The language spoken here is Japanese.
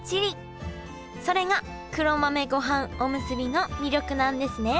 それが黒豆ごはんおむすびの魅力なんですね